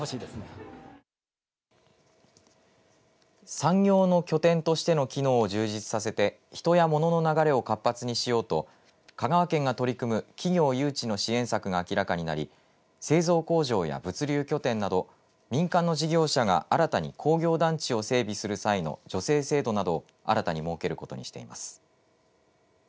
産業の拠点としての機能を充実させて人やモノの流れを活発にしようと香川県が取り組む企業誘致の支援策が明らかになり製造工場や物流拠点など民間の事業者が新たに工業団地を整備する際の助成制度などを新たに設けることにしています。